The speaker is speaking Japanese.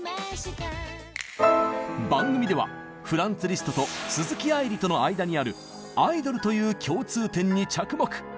番組ではフランツ・リストと鈴木愛理との間にある「アイドル」という共通点に着目！